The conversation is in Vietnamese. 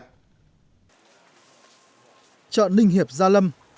chợ ninh hiệp gia lâm